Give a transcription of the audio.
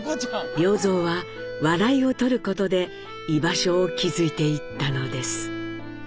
良三は笑いを取ることで居場所を築いていったのです。